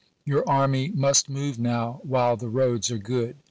Your army must move now while the roads are good.